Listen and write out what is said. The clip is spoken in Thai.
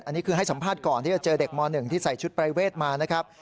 อันนี้คือให้สัมภาษณ์ก่อนที่จะเจอเด็กม๑ที่ใส่ชุดปรายเวทมานะครับ